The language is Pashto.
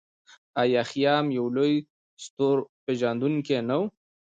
آیا خیام یو لوی ستورپیژندونکی نه و؟